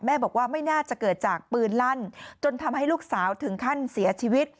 บอกว่าไม่น่าจะเกิดจากปืนลั่นจนทำให้ลูกสาวถึงขั้นเสียชีวิต